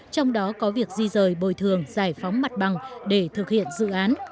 trong đó có việc di rời bồi thường giải phóng mặt bằng để thực hiện dự án